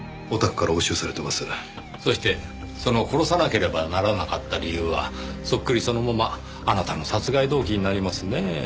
そしてその殺さなければならなかった理由はそっくりそのままあなたの殺害動機になりますねぇ。